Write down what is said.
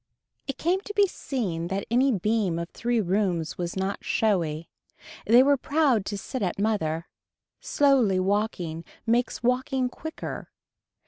It came to be seen that any beam of three rooms was not showy. They were proud to sit at mother. Slowly walking makes walking quicker.